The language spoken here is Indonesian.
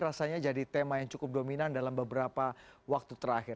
rasanya jadi tema yang cukup dominan dalam beberapa waktu terakhir